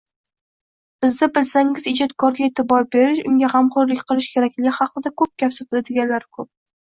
Bizda, bilsangiz, ijodkorga eʼtibor berish, unga gʻamxoʻrlik qilish kerakligi haqida gap sotadiganlar koʻp.